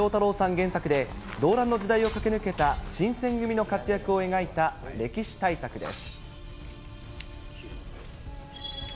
原作で、動乱の時代を駆け抜けた新選組の活躍を描いた歴史大作です。